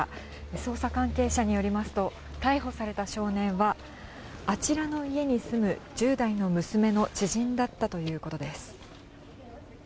捜査関係者によりますと、逮捕された少年はあちらの家に住む１０代の娘の知人だったということです。